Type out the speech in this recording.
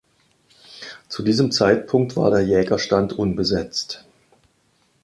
Zu diesem Zeitpunkt war der Jägerstand unbesetzt.